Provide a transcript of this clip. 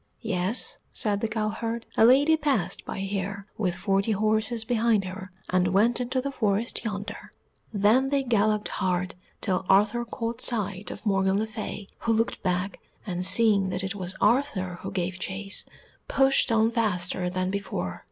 "Yes," said the cowherd, "a lady passed by here, with forty horses behind her, and went into the forest yonder." Then they galloped hard till Arthur caught sight of Morgan le Fay, who looked back, and, seeing that it was Arthur who gave chase, pushed on faster than before.